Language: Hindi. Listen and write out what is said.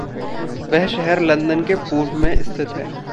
वह शहर लंदन के पूर्व में स्थित है।